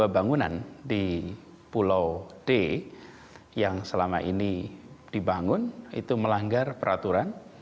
sembilan ratus tiga puluh dua bangunan di pulau d yang selama ini dibangun itu melanggar peraturan